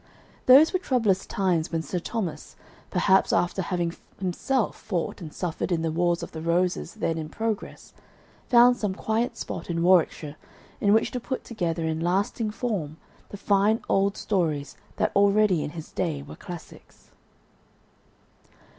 Those were troublous times when Sir Thomas, perhaps after having himself fought and suffered in the Wars of the Roses then in progress, found some quiet spot in Warwickshire in which to put together in lasting form the fine old stories that already in his day were classics.